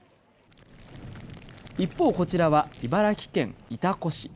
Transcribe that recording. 一方、こちらは茨城県潮来市。